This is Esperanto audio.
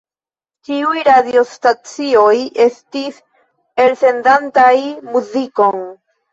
Ĉiuj radiostacioj estis elsendantaj muzikon.